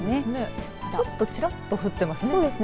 ちょっとちらっと降っていますね。